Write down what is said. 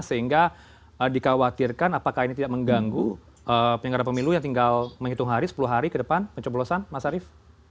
sehingga dikhawatirkan apakah ini tidak mengganggu penyelenggara pemilu yang tinggal menghitung hari sepuluh hari ke depan pencoblosan mas arief